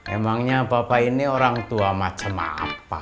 emangnya papa ini orang tua macem apa